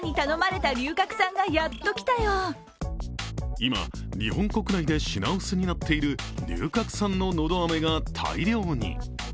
今、日本国内で品薄になっている龍角散の喉あめが大量に。